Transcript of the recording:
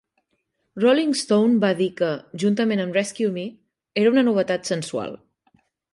Rolling Stone va dir que, juntament amb "Rescue Me" era "una novetat sensual".